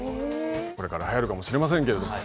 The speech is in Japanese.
これからはやるかもしれませんけれども。